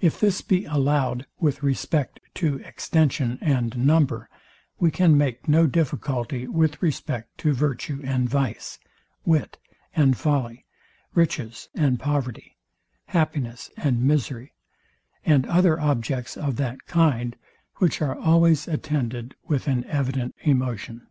If this be allowed with respect to extension and number, we can make no difficulty with respect to virtue and vice, wit and folly, riches and poverty, happiness and misery, and other objects of that kind, which are always attended with an evident emotion.